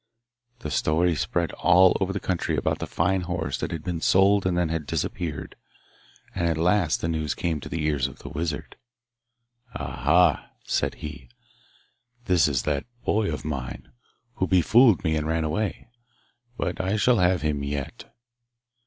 The story spread all over the country about the fine horse that had been sold and then had disappeared, and at last the news came to the ears of the wizard. 'Aha!' said he, 'this is that boy of mine, who befooled me and ran away; but I shall have him yet.